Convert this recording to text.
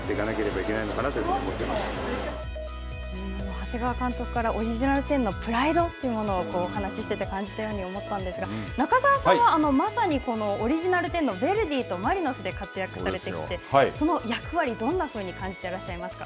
長谷川監督から、オリジナル１０のプライドというものをお話ししていて感じたように思ったんですが中澤さんは、まさにこのオリジナル１０のヴェルディとマリノスで活躍してこられてその役割、どんなふうに感じていらっしゃいますか。